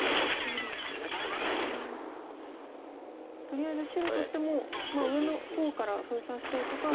とりあえず白としても上の方から封鎖していくか。